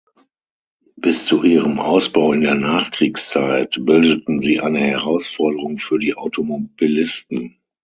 Bis zu ihrem Ausbau in der Nachkriegszeit bildeten sie eine Herausforderung für die Automobilisten.